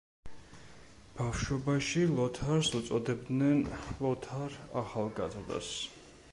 ბავშვობაში ლოთარს უწოდებდნენ „ლოთარ ახალგაზრდას“.